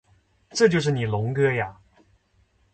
这就是你龙哥呀